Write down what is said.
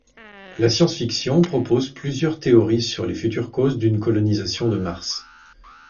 La science-fiction propose plusieurs théories sur les futures causes d'une colonisation de Mars.